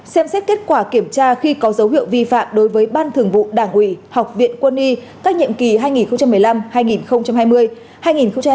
hai xem xét kết quả kiểm tra khi có dấu hiệu vi phạm đối với ban thường vụ đảng ủy học viện quân y các nhiệm kỳ hai nghìn một mươi năm hai nghìn hai mươi hai nghìn hai mươi hai nghìn hai mươi năm ủy ban kiểm tra trung ương nhận thấy